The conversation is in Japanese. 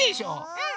うん。